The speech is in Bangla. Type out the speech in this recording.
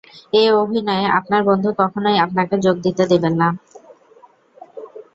এ অভিনয়ে আপনার বন্ধু কখনোই আপনাকে যোগ দিতে দেবেন না।